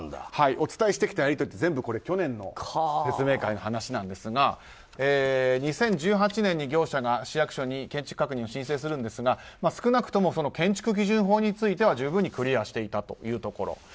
お伝えしてきたやり取りは全て去年の説明会の話なんですが２０１８年に業者が市役所に建設確認を申請するんですが少なくとも建築基準法については十分にクリアしていた。